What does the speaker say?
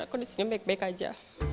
aku di sini baik baik aja